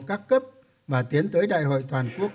các cấp và tiến tới đại hội toàn quốc